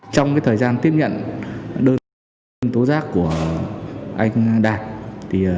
trong thời gian tiếp nhận đơn tố giác của anh đạt